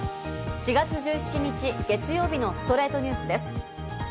４月１７日、月曜日の『ストレイトニュース』です。